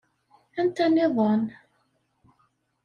Anta nniḍen?